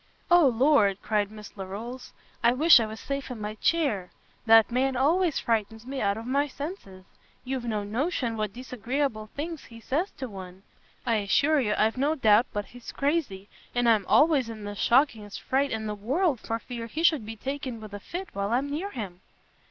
"O Lord," cried Miss Larolles, "I wish I was safe in my chair! that man always frightens me out of my senses. You've no notion what disagreeable things he says to one. I assure you I've no doubt but he's crazy; and I'm always in the shockingest fright in the world for fear he should be taken with a fit while I'm near him."